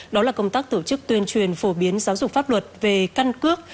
đó là công tác tổ chức tuyên truyền phổ biến giáo dục pháp luật về căn cước